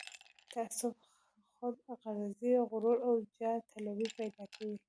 تعصب، خودغرضي، غرور او جاه طلبي پيدا کوي.